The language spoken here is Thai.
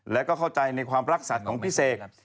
และก็เข้าใจในความรักสัตว์ของพี่เสก